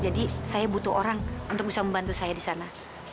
jadi saya butuh orang untuk bisa membantu saya di sana